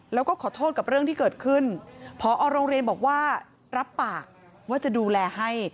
แล้วก็ขอโทษกับเรื่องที่เกิดขึ้นพอโรงเรียนบอกว่ารับปากว่าจะดูแลให้